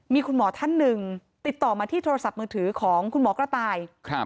มีคุณหมอท่านหนึ่งติดต่อมาที่โทรศัพท์มือถือของคุณหมอกระต่าย